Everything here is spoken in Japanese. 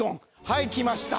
はい来ました。